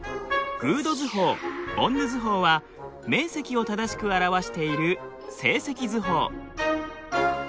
グード図法ボンヌ図法は面積を正しく表している正積図法。